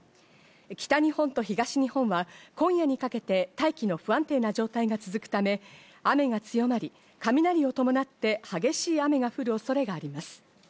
北日本と東日本は、今夜にかけて大気の不安定な状態が続くため、雨が強まり雷を伴って、激しい雨が降る恐れがあります。